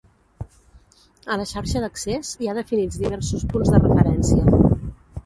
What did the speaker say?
A la xarxa d'accés hi ha definits diversos punts de referència.